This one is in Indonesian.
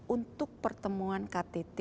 untuk pertemuan ktt